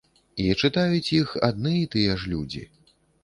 І чытаюць іх адны і тыя ж людзі.